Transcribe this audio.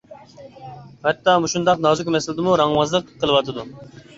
ھەتتا مۇشۇنداق نازۇك مەسىلىدىمۇ رەڭۋازلىق قىلىۋاتىدۇ.